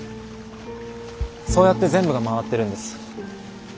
そうやって全部が回ってるんです。